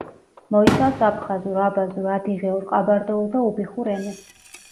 მოიცავს აფხაზურ, აბაზურ, ადიღეურ, ყაბარდოულ და უბიხურ ენებს.